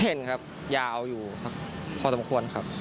เห็นครับยาวอยู่สักพอสมควรครับ